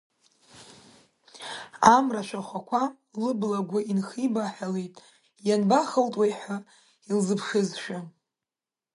Амра ашәахәақәа лыбла агәы инхибаҳәалеит, ианба хылтуеи ҳәа илзыԥшызшәа.